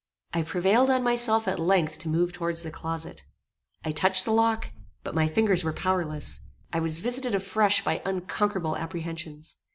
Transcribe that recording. I prevailed on myself at length to move towards the closet. I touched the lock, but my fingers were powerless; I was visited afresh by unconquerable apprehensions.